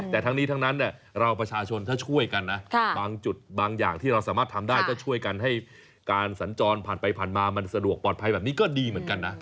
แต่ทั้งนี้ทั้งนั้นเราประชาชนถ้าช่วยกันนะบางจุดบางอย่างที่เราสามารถทำได้ก็ช่วยกันให้การสัญจรผ่านไปผ่านมามันสะดวกปลอดภัยแบบนี้ก็ดีเหมือนกันนะ